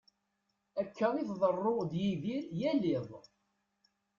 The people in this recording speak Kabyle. Akka i tḍeru d Yidir yal iḍ.